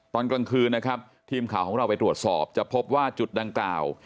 ตอนกลางคืนนะครับทีมข่าวของเราไปตรวจสอบจะพบว่าจุดดังกล่าว